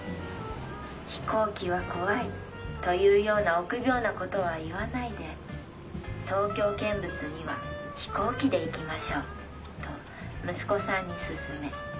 『飛行機は怖い』というような臆病な事は言わないで『東京見物には飛行機で行きましょう』と息子さんに勧め」。